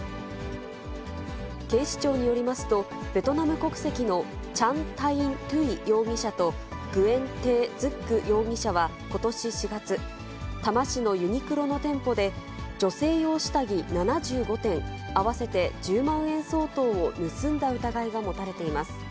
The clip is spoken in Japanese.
警視庁によりますと、ベトナム国籍のチャン・タイン・トゥイ容疑者と、グエン・テー・ズック容疑者はことし４月、多摩市のユニクロの店舗で、女性用下着７５点、合わせて１０万円相当を盗んだ疑いが持たれています。